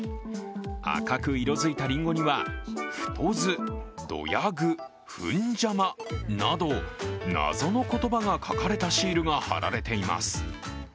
赤く色づいたりんごには、ふとず、どやぐ、ふんじゃまなど謎の言葉が書かれたシールが貼られています。